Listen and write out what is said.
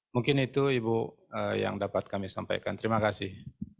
mungkin itu ibu yang dapat kami sampaikan terima kasih